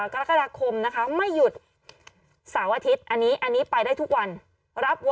กล้องกว้างอย่างเดียว